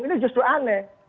ini justru aneh